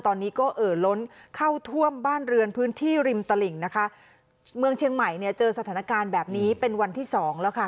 ตอนนี้ก็เอ่อล้นเข้าท่วมบ้านเรือนพื้นที่ริมตลิ่งนะคะเมืองเชียงใหม่เนี่ยเจอสถานการณ์แบบนี้เป็นวันที่สองแล้วค่ะ